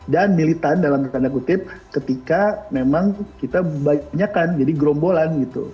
dan militan dalam tanda kutip ketika memang kita banyakkan jadi gerombolan gitu